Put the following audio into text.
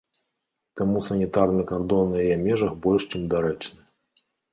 І таму санітарны кардон на яе межах больш чым дарэчны.